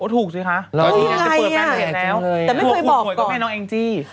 ถูกสิคะถูกหวยก็เป็นน้องแองจี้